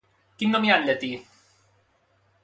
Quin nom hi ha en llatí?